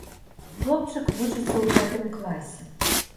Хлопчык вучыцца ў пятым класе.